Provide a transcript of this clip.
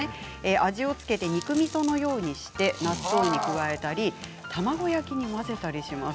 味を付けて肉みそのようにして納豆に加えたり卵焼きに混ぜたりします。